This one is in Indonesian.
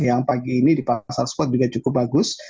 yang pagi ini di pasar spot juga cukup bagus